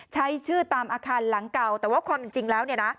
ใช้ชื่อตามอาคารหลังเก่าแต่ว่าความจริงแล้วเนี่ยนะ